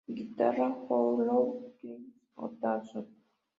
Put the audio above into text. Guitarra: Guðlaugur Kristinn Óttarsson.